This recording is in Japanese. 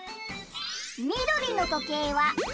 みどりのとけいは「で」